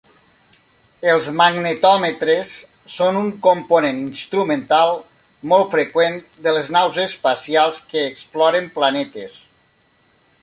Els magnetòmetres són un component instrumental molt freqüent de les naus espacials que exploren planetes.